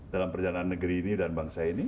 dalam perjalanan negeri ini dan bangsa ini